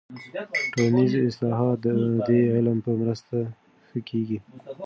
ټولنیز اصلاحات د دې علم په مرسته ښه کیږي.